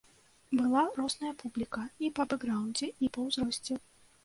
Была розная публіка, і па бэкграўндзе, і па ўзросце.